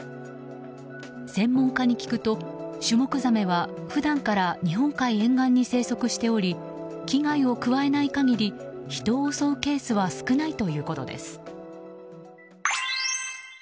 専門家に聞くとシュモクザメは普段から日本海沿岸に生息しており危害を加えない限り人を襲うケースは少ないということです。